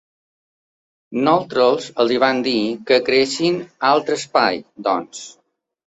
Nosaltres els hi vam dir que creessin altre espai, doncs.